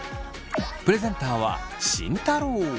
プレゼンターは慎太郎。